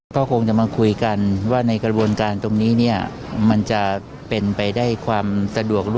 ก็คงจะมาคุยกันว่าในกระบวนการตรงนี้เนี่ยมันจะเป็นไปได้ความสะดวก